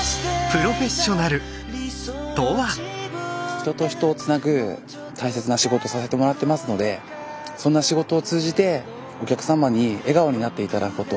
人と人をつなぐ大切な仕事させてもらってますのでそんな仕事を通じてお客様に笑顔になって頂くこと。